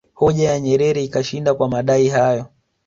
Hoja ya Nyerere ikashinda kwa madai hayo